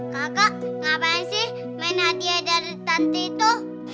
kakak ngapain sih main hadiah dari tante itu